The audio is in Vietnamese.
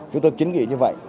chúng tôi chính nghĩ như vậy